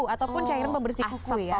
ataupun cair pembersih kuku ya